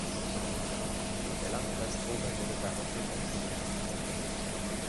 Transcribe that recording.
Der Landkreis Tome wurde daraufhin aufgelöst.